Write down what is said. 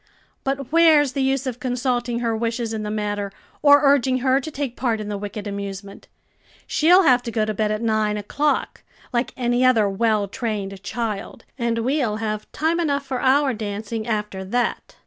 "But where's the use of consulting her wishes in the matter, or urging her to take part in the wicked amusement? she'll have to go to bed at nine o'clock, like any other well trained child, and we'll have time enough for our dancing after that."